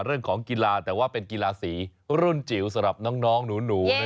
เรื่องของกีฬาแต่ว่าเป็นกีฬาสีรุ่นจิ๋วสำหรับน้องหนู